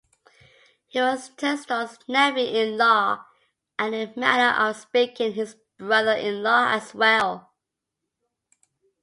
He was Tunstall's nephew-in-law and in manner of speaking, his brother-in-law as well.